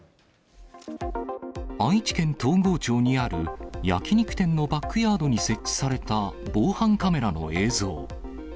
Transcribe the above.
愛知県東郷町にある焼き肉店のバックヤードに設置された防犯カメラの映像。